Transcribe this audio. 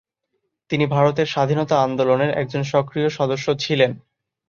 তিনি ভারতের স্বাধীনতা আন্দোলনের একজন সক্রিয় সদস্য ছিলেন।